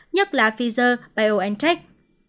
nhất là pfizer biontech